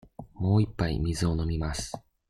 もう一杯水を飲みます。